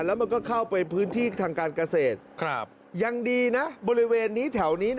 แล้วมันก็เข้าไปพื้นที่ทางการเกษตรยังดีนะบริเวณนี้แถวนี้